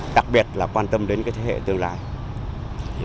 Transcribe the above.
đặc biệt là quan tâm đến cái thế hệ tương lai